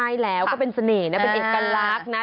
ใช่แล้วก็เป็นเสน่ห์นะเป็นเอกลักษณ์นะ